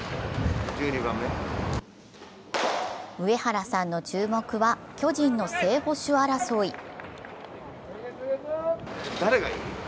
上原さんの注目は巨人の正捕手争い。